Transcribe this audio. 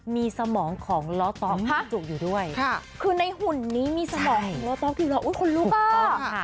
มีสมองของล็อต๊อกจุดอยู่ด้วยคือในหุ่นนี้มีสมองของล็อต๊อกอยู่หรอคุณลูกอ่ะ